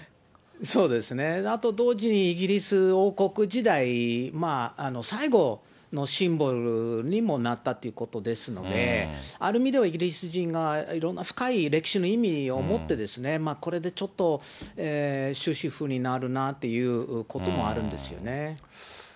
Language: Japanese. そうですね、あと同時にイギリス王国時代、最後のシンボルにもなったということですので、ある意味ではイギリス人がいろんな深い歴史の意味をもって、これでちょっと、終止符になるなということもあるんですよね。